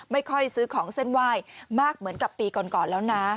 ไม่ค่อยซื้อของเส้นไหว้มากเหมือนกับปีก่อนแล้วนะ